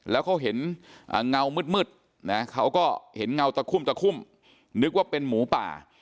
แล้วเขาเห็นเงามืดนะเขาก็เห็นเงาตะคุ่มตะคุ่มนึกว่าเป็นหมูป่า